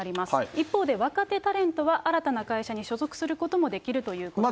一方で、若手タレントは、新たな会社に所属することもできるということです。